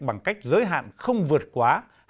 bằng cách giới hạn không vượt quá